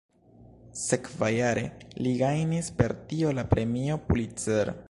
Sekvajare li gajnis per tio la Premio Pulitzer.